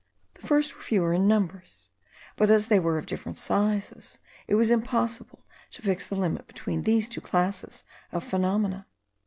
The first were fewer in number, but as they were of different sizes, it was impossible to fix the limit between these two classes of phenomena.